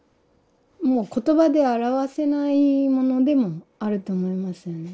もう言葉で表せないものでもあると思いますよね。